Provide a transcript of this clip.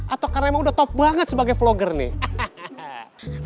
atau karena emang udah top banget sebagai vlogger nih